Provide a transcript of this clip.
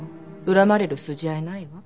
恨まれる筋合いないわ。